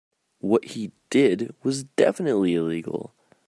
What he did was definitively illegal.